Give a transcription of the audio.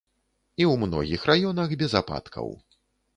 І ў многіх раёнах без ападкаў.